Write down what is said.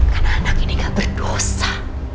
karena anak ini gak berdosa